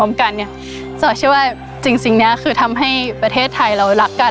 สามารถช่วยว่าจริงนี้คือทำให้ประเทศไทยเรารักกัน